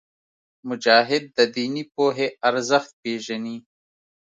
مجاهد د دیني پوهې ارزښت پېژني.